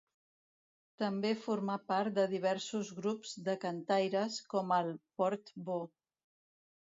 També formà part de diversos grups de cantaires, com el Port-Bo.